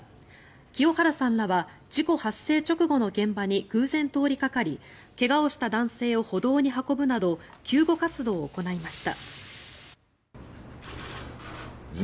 清原さんらは事故発生直後の現場に偶然通りかかり怪我をした男性を歩道に運ぶなど救護活動を行いました。